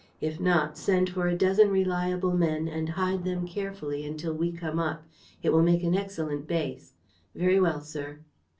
If not, send for a dozen reliable men and hide them carefully until we come up. It will make an excellent base." "Very well, sir."